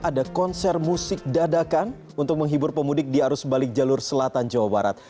ada konser musik dadakan untuk menghibur pemudik di arus balik jalur selatan jawa barat